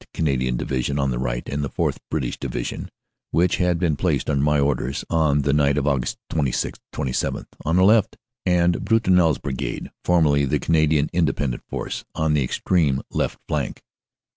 Canadian Division on the right, the 4th. (British) Division (which had been placed under my orders on the night of Aug. 26 27) on the left, and Brutinel s Brigade (formerly the Canadian Independent Force) on the extreme left flank.